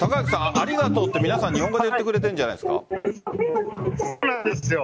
ありがとうって皆さん日本語で言ってくれているんじゃそうなんですよ。